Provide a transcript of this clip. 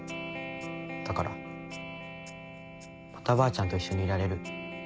だからまたばあちゃんと一緒にいられる。